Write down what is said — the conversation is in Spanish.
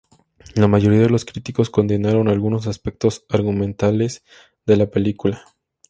La mayoría de los críticos condenaron algunos aspectos argumentales de la película.